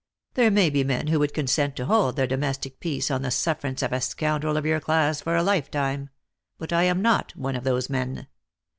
There may be men who would consent to hold their domestic peace on the sufferance of a scoundrel of your class for a lifetime ; but I am not one of those men.